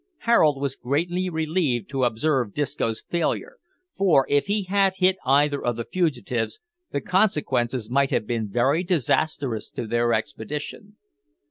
Harold was greatly relieved to observe Disco's failure, for, if he had hit either of the fugitives, the consequences might have been very disastrous to their expedition.